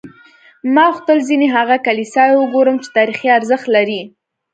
ما غوښتل ځینې هغه کلیساوې وګورم چې تاریخي ارزښت لري.